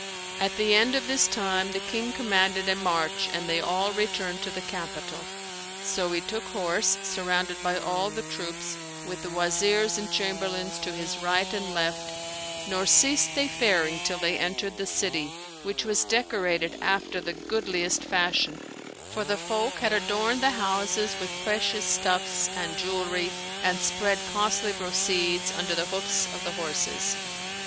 At the end of this time, the King commanded a march and they all returned to the capital, so he took horse surrounded by all the troops with the Wazirs and Chamberlains to his right and left nor ceased they faring till they entered the city, which was decorated after the goodliest fashion; for the folk had adorned the houses with precious stuffs and jewellery and spread costly bro cedes under the hoofs of the horses.